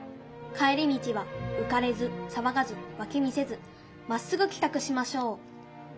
帰り道はうかれずさわがずわき見せずまっすぐきたくしましょう」。